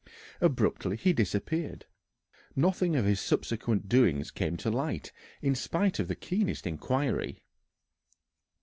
Abruptly he disappeared. Nothing of his subsequent doings came to light in spite of the keenest inquiry.